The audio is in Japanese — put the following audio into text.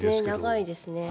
長いですね。